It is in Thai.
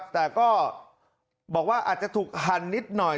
แต่ก็บอกว่าอาจจะถูกหั่นนิดหน่อย